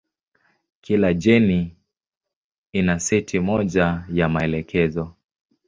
Kila jeni ina seti moja ya maelekezo.